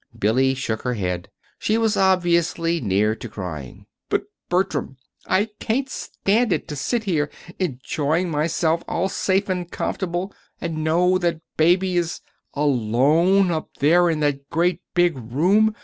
Billy shook her head. She was obviously near to crying. "But, Bertram, I can't stand it to sit here enjoying myself all safe and comfortable, and know that Baby is alone up there in that great big room!